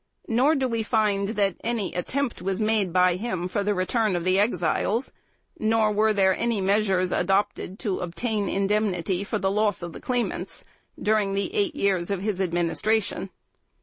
Nor do we find that any attempt was made by him for the return of the Exiles; nor were there any measures adopted to obtain indemnity for the loss of the claimants during the eight years of his Administration.